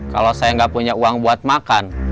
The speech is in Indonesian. kalau saya nggak punya uang buat makan